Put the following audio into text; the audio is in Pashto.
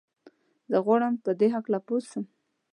زه غواړم په دي هکله پوه سم.